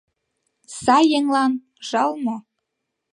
Сай еҥлан жал мо!